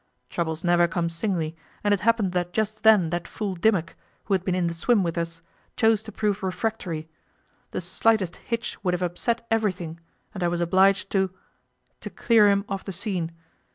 Troubles never come singly, and it happened that just then that fool Dimmock, who had been in the swim with us, chose to prove refractory. The slightest hitch would have upset everything, and I was obliged to to clear him off the scene.